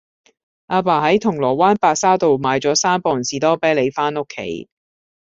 亞爸喺銅鑼灣白沙道買左三磅士多啤梨返屋企